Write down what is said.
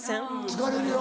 疲れるよ。